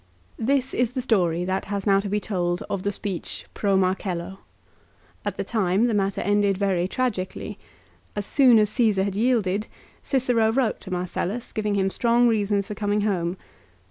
1 This is the story that has now to be told of the speech "Pro Marcello." At the time the matter ended very tragic ally. As soon as Csesar had yielded, Cicero wrote to Mar cellus giving him strong reasons for coming home.